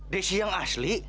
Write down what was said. desi yang asli